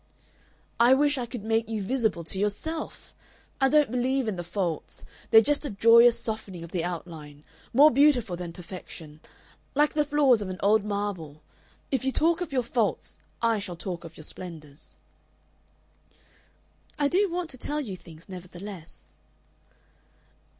"I wish I could make you visible to yourself. I don't believe in the faults. They're just a joyous softening of the outline more beautiful than perfection. Like the flaws of an old marble. If you talk of your faults, I shall talk of your splendors." "I do want to tell you things, nevertheless."